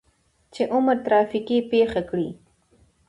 چې عمر ترافيکي پېښه کړى.